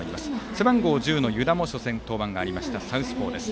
背番号１０の湯田も初戦登板があったサウスポーです。